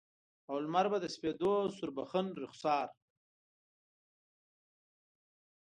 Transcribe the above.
او لمر به د سپیدو سوربخن رخسار